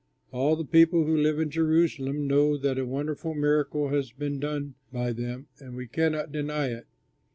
All the people who live in Jerusalem know that a wonderful miracle has been done by them, and we cannot deny it.